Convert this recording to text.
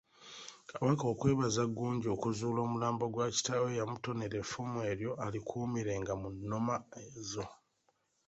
Kabaka okwebaza Ggunju okuzuula omulambo gwa kitaawe, yamutonera effumu eryo alikuumirenga mu nnoma ezo.